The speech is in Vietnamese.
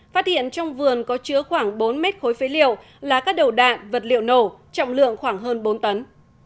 phát hiện trong vườn có chứa khoảng bốn mét khối phế liệu là các đầu đạn vật liệu nổ trọng lượng khoảng hơn bốn tấn